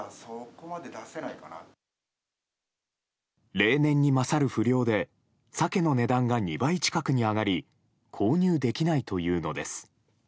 例年に勝る不漁でサケの値段が２倍近くに上がり購入できないというのです。